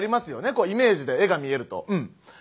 こうイメージで絵が見えると。